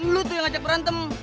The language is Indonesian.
dulu tuh yang ngajak berantem